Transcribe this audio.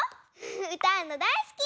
うたうのだいすき！